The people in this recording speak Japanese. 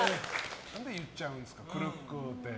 何で言っちゃうんですかくるっくぅーって。